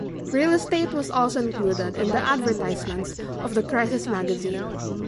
Real Estate was also included in the Advertisements of The Crisis magazine.